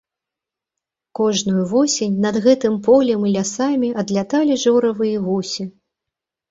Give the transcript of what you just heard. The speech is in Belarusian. Кожную восень над гэтым полем і лясамі адляталі жоравы і гусі.